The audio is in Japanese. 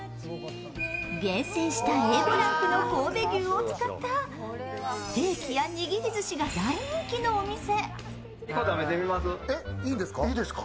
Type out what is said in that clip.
厳選したＡ５ランクの神戸牛を使ったステーキや握りずしが大人気のお店。